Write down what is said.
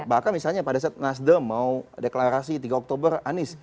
bahkan misalnya pada saat nasdem mau deklarasi tiga oktober anies